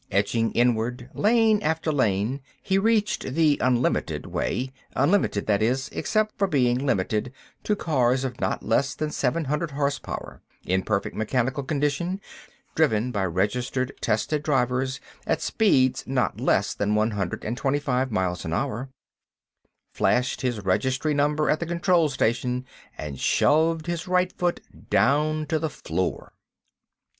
Edging inward, lane after lane, he reached the "unlimited" way—unlimited, that is, except for being limited to cars of not less than seven hundred horsepower, in perfect mechanical condition, driven by registered, tested drivers at speeds not less than one hundred and twenty five miles an hour—flashed his registry number at the control station, and shoved his right foot down to the floor.